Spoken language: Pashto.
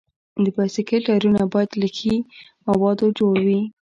د بایسکل ټایرونه باید له ښي موادو جوړ وي.